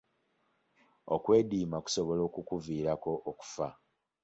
Okwediima kusobola okukuviirako okufa.